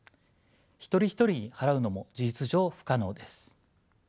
一人一人に払うのも事実上不可能です。